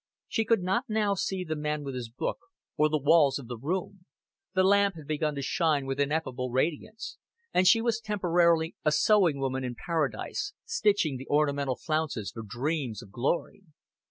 She could not now see the man with his book, or the walls of the room; the lamp had begun to shine with ineffable radiance; and she was temporarily a sewing woman in paradise, stitching the ornamental flounces for dreams of glory.